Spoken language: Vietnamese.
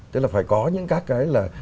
tức là phải có những các cái là